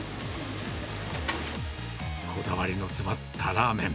こだわりの詰まったラーメン。